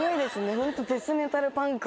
ホント。